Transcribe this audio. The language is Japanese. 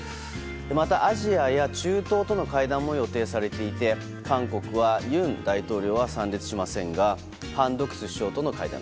また、アジアや中東との会談も予定されていて韓国は尹大統領は参列しませんがハン・ドクス首相との会談